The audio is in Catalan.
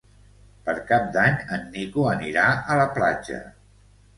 Per Cap d'Any en Nico anirà a la platja.